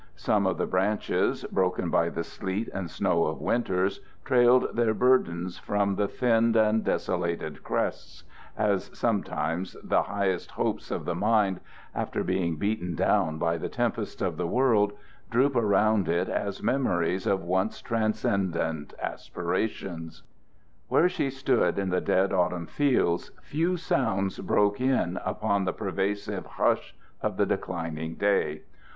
Some of the branches, broken by the sleet and snow of winters, trailed their burdens from the thinned and desolated crests as sometimes the highest hopes of the mind, after being beaten down by the tempests of the world, droop around it as memories of once transcendent aspirations. Where she stood in the dead autumn fields few sounds broke in upon the pervasive hush of the declining day.